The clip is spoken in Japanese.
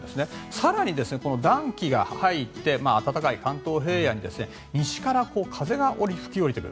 更に、暖気が入って暖かい関東平野に西から風が吹き下りてくる。